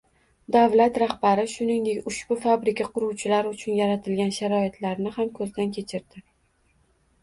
Davlat rahbari, shuningdek, ushbu fabrika quruvchilari uchun yaratilgan sharoitlarni ham ko‘zdan kechirdi